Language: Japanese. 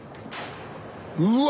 うわ！